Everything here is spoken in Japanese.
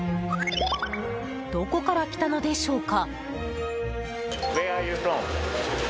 どこから来たのでしょうか？